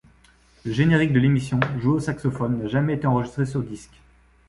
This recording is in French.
Le générique de l'émission, joué au saxophone, n'a jamais été enregistré sur disque.